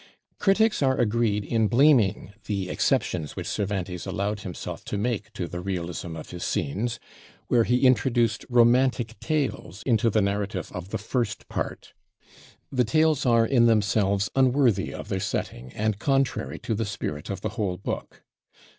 Critics are agreed in blaming the exceptions which Cervantes allowed himself to make to the realism of his scenes, where he introduced romantic tales into the narrative of the first part. The tales are in themselves unworthy of their setting, and contrary to the spirit of the whole book.